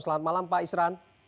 selamat malam pak isran